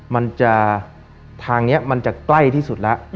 มันจะทางนี้มันจะใกล้ที่สุดแล้ว